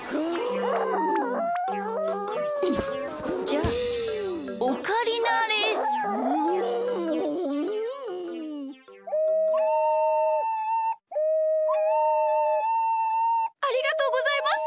ありがとうございます！